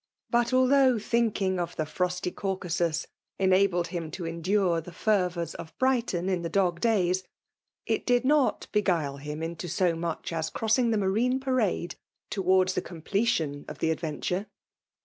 But altiHMgb thinking of the frosty Caucasus enabled him: to endure the fervours of Brighton in: thff. VBBtALe DOVINATIOK. 1^ •4og ^7i^;H did not beguile him into so niuch ts oroesirig the Marine Parade towards the comjAetim of the adventure.